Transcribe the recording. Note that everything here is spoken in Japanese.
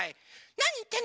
なにいってんの！